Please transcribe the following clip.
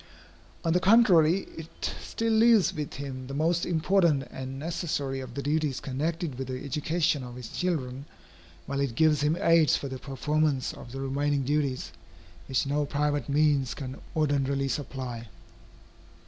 On the contrary, it still leaves with him the most important and necessary of the duties connected with the education of his children, while it gives him aids for the performance of the remaining duties, which no private means can ordinarily supply.